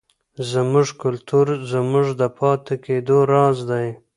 زموږ کلتور زموږ د پاتې کېدو راز دی.